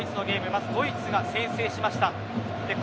まずドイツが先制しました。